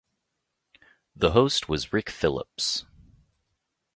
The host was Rick Phillips.